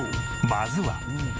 まずは。